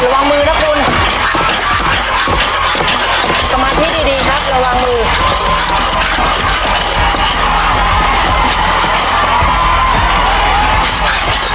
ระวังมือนะคุณได้ไหมได้ไหมท้วยเห็นไหม